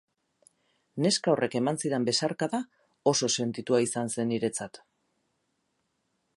Neska horrek eman zidan besarkada oso sentitua izan zen niretzat.